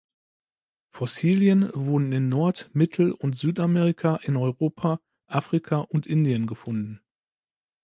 Fossilien wurden in Nord-, Mittel- und Südamerika, in Europa, Afrika und Indien gefunden.